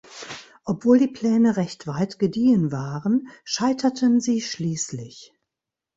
Obwohl die Pläne recht weit gediehen waren, scheiterten sie schließlich.